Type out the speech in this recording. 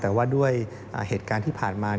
แต่ว่าด้วยเหตุการณ์ที่ผ่านมา